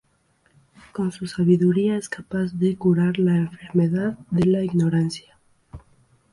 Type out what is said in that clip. Con su sabiduría es capaz de curar la enfermedad de la ignorancia.